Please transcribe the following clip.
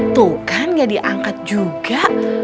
tuh kan gak diangkat juga